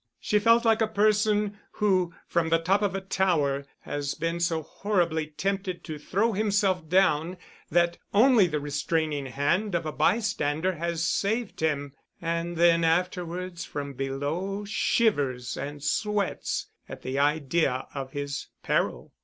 She felt like a person who from the top of a tower has been so horribly tempted to throw himself down, that only the restraining hand of a bystander has saved him; and then afterwards from below shivers and sweats at the idea of his peril.